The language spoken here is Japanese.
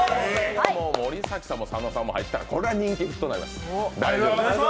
森崎さんも佐野さんも入ったらこれは人気になります。